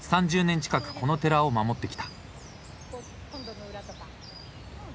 ３０年近くこの寺を守ってきた。